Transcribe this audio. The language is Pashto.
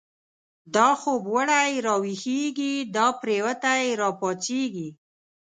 دا خوب وړی راويښږی، دا پريوتی را پا څيږی